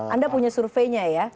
anda punya surveinya ya